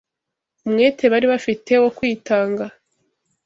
Umwete bari bafite wo kwitanga